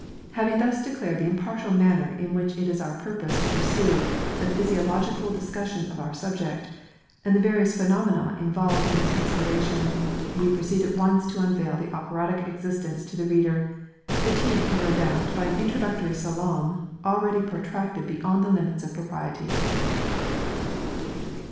Having thus declared the impartial manner in which it is our purpose to pursue the physiological discussion of our subject, and the various phenomena involved in its consideration, we proceed at once to unveil the operatic existence to the reader, fatigued no doubt by an introductory salaam already protracted beyond the limits of propriety.